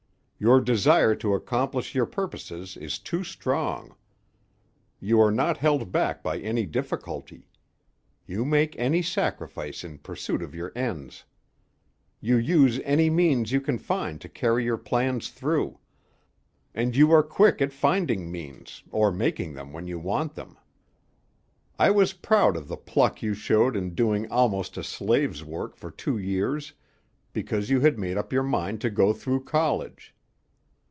Your desire to accomplish your purposes is too strong. You are not held back by any difficulty. You make any sacrifice in pursuit of your ends. You use any means you can find to carry your plans through, and you are quick at finding means, or making them when you want them. "I was proud of the pluck you showed in doing almost a slave's work for two years, because you had made up your mind to go through college.